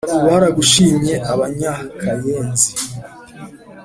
baragushimye abanyakayenzi.